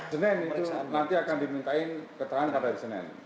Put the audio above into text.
senin itu nanti akan dimintain ketahan pada hari senin